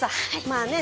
まあね